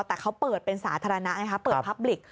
แต่เขาเปิดเป็นสาธารณะไงคะเปิดพับลิก